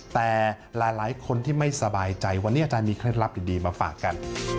แต่หลายคนที่ไม่สบายใจวันนี้อาจารย์มีเคล็ดลับดีมาฝากกัน